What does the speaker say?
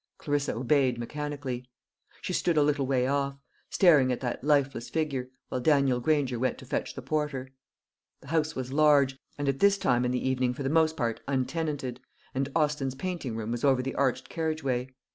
Clarissa obeyed mechanically. She stood a little way off, staring at that lifeless figure, while Daniel Granger went to fetch the porter. The house was large, and at this time in the evening for the most part untenanted, and Austin's painting room was over the arched carriage way.